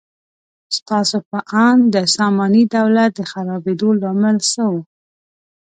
ستاسو په اند د ساماني دولت د خرابېدو لامل څه و؟